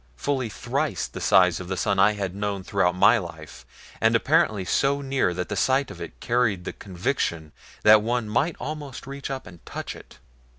Fully thrice the size of the sun I had known throughout my life, and apparently so near that the sight of it carried the conviction that one might almost reach up and touch it.